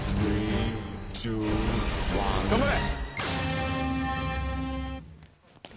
頑張れ！